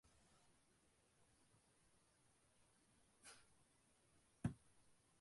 பந்தாட்டங்களும் அவர்கள் ஆடிய ஆட்டமாகும்.